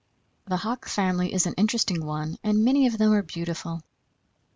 ] The Hawk family is an interesting one and many of them are beautiful.